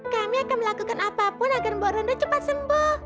kami akan melakukan apapun agar mbak ronda cepat sembuh